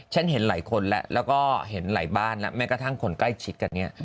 เห็นหลายคนแล้วแล้วก็เห็นหลายบ้านแล้วแม้กระทั่งคนใกล้ชิดกันเนี่ย